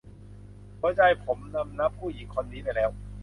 หัวใจผมคำนับผู้หญิงคนนี้ไปแล้ว